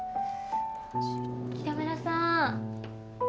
北村さん。